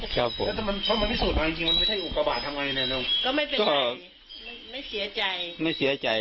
ครับผมแล้วมันเพราะมันพิสูจน์มาจริงจริงมันไม่ใช่อุปกรณ์บาททำไมเนี่ยเนี่ย